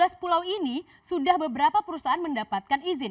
dan di banten ada beberapa perusahaan yang mendapatkan izin